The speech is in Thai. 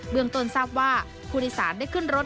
เมืองต้นทราบว่าผู้โดยสารได้ขึ้นรถ